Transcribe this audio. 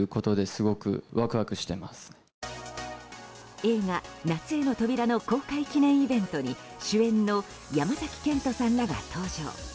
映画「夏への扉」の公開記念イベントに主演の山崎賢人さんらが登場。